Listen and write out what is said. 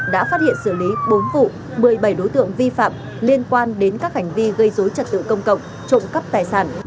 đã phát hiện xử lý bốn vụ một mươi bảy đối tượng vi phạm liên quan đến các hành vi gây dối trật tự công cộng trộm cắp tài sản